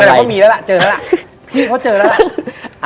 แต่ก็มีแล้วละเจอแล้วละพี่ก็เจอแล้วละ